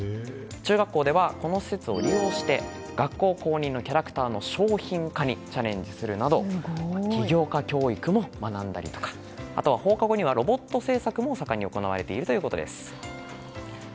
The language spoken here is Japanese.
中学校ではこの施設を利用して学校公認のキャラクターの商品化にチャレンジするなど起業家教育も学んだりとかあとは放課後にロボット製作も盛んに行われているということです。